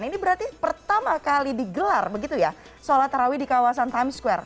ini berarti pertama kali digelar sholat taraweeh di kawasan times square